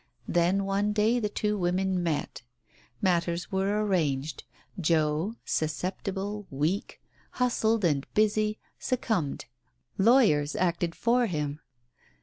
Then one day the two women met. Matters were arranged. Joe, susceptible, weak, hustled and busy, succumbed. ... Lawyers acted for him.